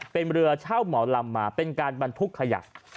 เป็นเรือเช่าหมอลำมาเป็นการบรรทุกขยะ